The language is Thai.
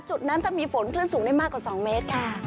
จุดนั้นถ้ามีฝนคลื่นสูงได้มากกว่า๒เมตรค่ะ